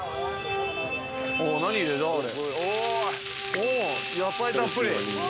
お野菜たっぷり。